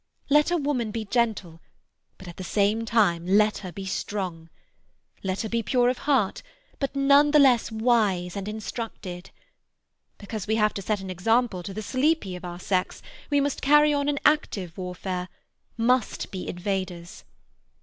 Let a woman be gentle, but at the same time let her be strong; let her be pure of heart, but none the less wise and instructed. Because we have to set an example to the sleepy of our sex, we must carry on an active warfare—must be invaders.